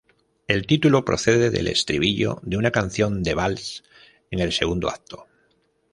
El título procede del estribillo de una canción de vals en el segundo acto.